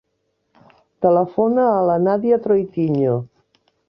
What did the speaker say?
Telefona a la Nàdia Troitiño.